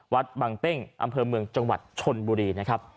วัดบังเต้งอำเภอเมืองจังหวัดชนบุรีนะครับ